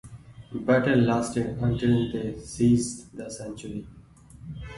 Battle lasted until they seized the sanctuary.